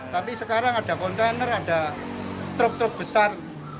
tapi sekarang ada kontainer ada truk truk besar